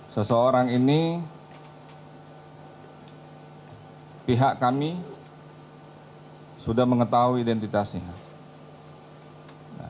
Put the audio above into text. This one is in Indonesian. seseorang ini pihak kami sudah mengetahui identitasnya